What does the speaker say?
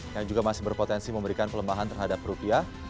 yang juga masih berpotensi memberikan pelemahan terhadap rupiah